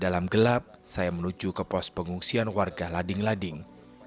dalam gelap saya menuju ke pos pengungsian warga lading lading